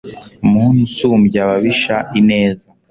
muntu usumbya ababisha ineza